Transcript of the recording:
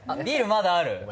ビールまだある？